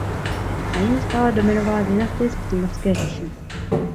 Na jihu stále dominovala dynastie z Přímořské říše.